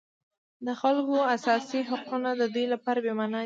د خلکو اساسي حقونه د دوی لپاره بېمعنا دي.